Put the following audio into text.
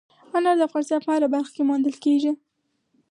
انار د افغانستان په هره برخه کې موندل کېږي.